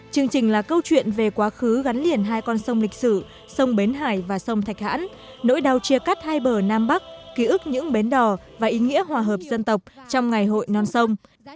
chương trình là câu chuyện về quá khứ gắn liền hai con sông lịch sử sông bến hải và sông thạch hãn nỗi đau chia cắt hai bờ nam bắc ký ức những bến đò và ý nghĩa hòa hợp dân tộc trong ngày hội non sông